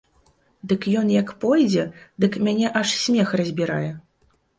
Дык ён як пойдзе, дык мяне аж смех разбірае.